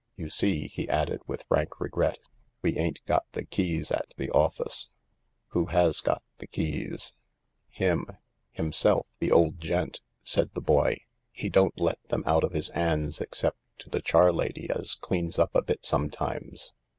" You see," he added with frank regret, " we ain't got the keys at the office." "Who has got the keys?" THE LARK 49 " Him. Himself. The old gent," said the boy. " He don't let them out of his 'ands except to the charlady as cleans up a bit sometimes.